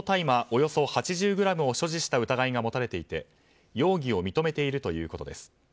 およそ８０ｇを所持した疑いが持たれていて容疑を認めているということです。